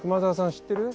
知ってる？